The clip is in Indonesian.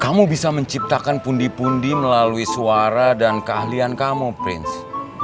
kamu bisa menciptakan pundi pundi melalui suara dan keahlian kamu prince